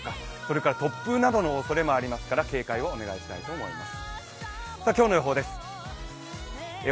こちらは激しい雷雨ですとか突風などのおそれもありますから警戒をお願いしたいと思います。